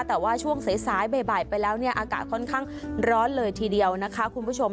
แต่ว่าช่วงสายบ่ายไปแล้วเนี่ยอากาศค่อนข้างร้อนเลยทีเดียวนะคะคุณผู้ชม